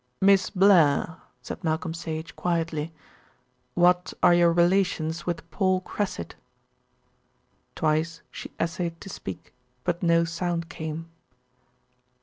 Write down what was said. "Miss Blair," said Malcolm Sage quietly, "what are your relations with Paul Cressit?" Twice she essayed to speak, but no sound came.